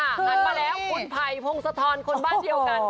หันมาแล้วคุณภัยพงศธรคนบ้านเดียวกัน